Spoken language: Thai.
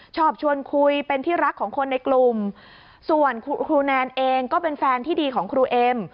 ชอบชวนคุยเป็นที่รักของคนในกลุ่มส่วนครูแนนเองก็เป็นแฟนที่ดีของครูเอ็ม